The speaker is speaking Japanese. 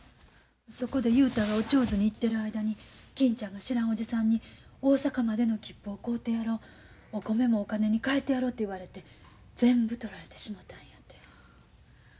そこで雄太がおちょうずに行ってる間に金ちゃんが知らんおじさんに「大阪までの切符を買うてやろうお米もお金に換えてやろう」て言われて全部とられてしもたんやて。